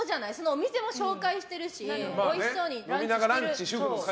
お店を紹介してるしおいしそうにランチしてるし。